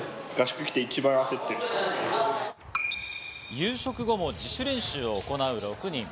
夕食後も自主練習を行う６人。